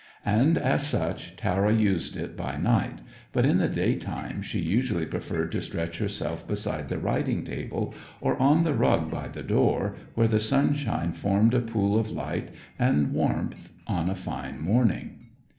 And as such Tara used it by night, but in the daytime she usually preferred to stretch herself beside the writing table, or on the rug by the door, where the sunshine formed a pool of light and warmth on a fine morning.